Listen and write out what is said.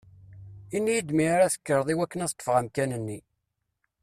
Ini-yi-d mi ara tekkreḍ i wakken ad ṭṭfeɣ amkan-nni!